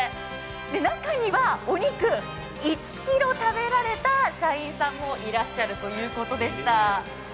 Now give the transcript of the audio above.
中にはお肉、１ｋｇ食べられた社員さんもいらっしゃるということでした。